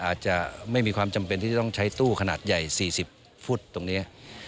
อาจจะไม่มีความจำเป็นที่จะต้องใช้ตู้ขนาดใหญ่๔๐ฟุตตรงนี้